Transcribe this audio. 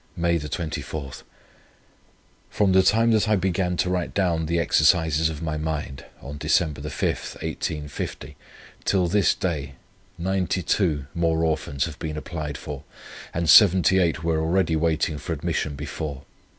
"May 24. From the time that I began to write down the exercises of my mind on Dec. 5th, 1850, till this day, ninety two more Orphans have been applied for, and seventy eight were already waiting for admission before.